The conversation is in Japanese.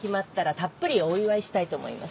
たっぷりお祝いしたいと思います。